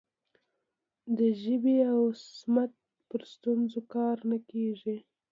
د ژبې او سمت پر ستونزو کار نه کیږي.